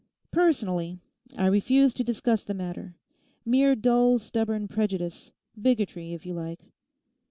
Personally, I refuse to discuss the matter. Mere dull, stubborn prejudice; bigotry, if you like.